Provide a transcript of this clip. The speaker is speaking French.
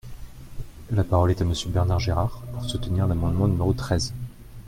La parole est à Monsieur Bernard Gérard, pour soutenir l’amendement numéro treize.